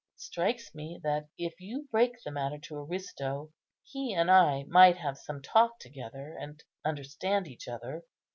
It strikes me that, if you break the matter to Aristo, he and I might have some talk together, and understand each other."